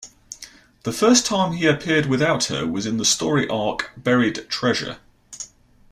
The first time he appeared without her was in the story arc, Buried Treasure.